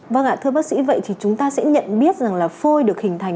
vâng ạ thưa bác sĩ vậy thì chúng ta sẽ nhận biết rằng là phôi được hình thành